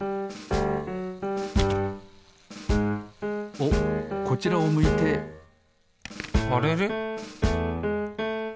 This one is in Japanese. おっこちらを向いてあれれ？